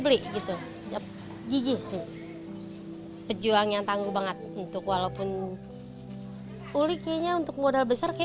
beli gitu gigi sih pejuang yang tangguh banget untuk walaupun kulitnya untuk modal besar ke